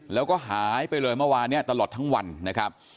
แล้วก็หายไปเลยเมื่อวานนี้ตลอดทั้งวันนะครับ